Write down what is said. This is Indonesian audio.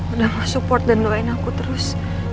udah support dan doain aku terus